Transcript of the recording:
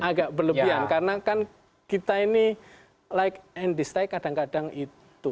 agak berlebihan karena kan kita ini like and distick kadang kadang itu